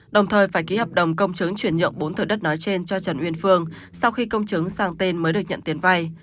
đồng thời phải ký hợp đồng công chứng chuyển nhượng bốn thửa đất nói trên cho trần uyên phương sau khi công chứng sang tên mới được nhận tiền vay